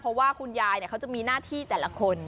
เพราะว่าคุณยายเขาจะมีหน้าที่แต่ละคน